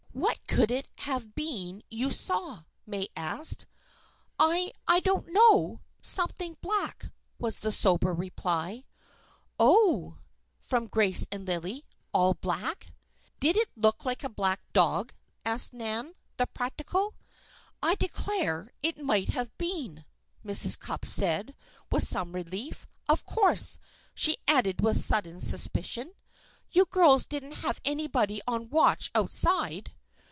"What could it have been you saw?" May asked. "I I don't know. Something black," was the sober reply. "O o o!" from Grace and Lillie. "All black?" "Did it look like a black dog?" asked Nan, the practical. "I declare! it might have been," Mrs. Cupp said, with some relief. "Of course," she added, with sudden suspicion, "you girls didn't have anybody on watch outside?"